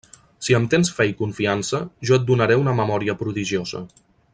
Si em tens fe i confiança, jo et donaré una memòria prodigiosa.